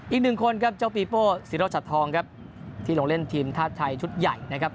อีกนึงคนครับเจ้าปีปโป้๐ฉัดทองครับที่ลงเล่นทีมท่าทัยชุดใหญ่นะครับ